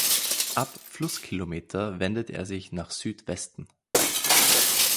Ab Flusskilometer wendet er sich nach Südwesten.